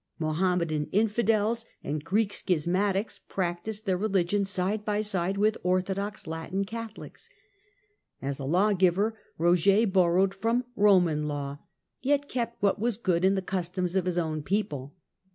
Mohammedan infidels and Greek schismatics practised their religion side by side with orthodox Latin Catholics. As a lawgiver Roger borrowed from Roman law, yet kept what was good in the customs of his own people.